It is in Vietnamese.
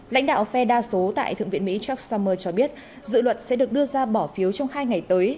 lãnh đạo phe đa số tại thượng viện mỹ chuck summer cho biết dự luật sẽ được đưa ra bỏ phiếu trong hai ngày tới